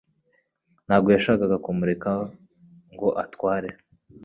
Ntabwo yashakaga kumureka ngo atware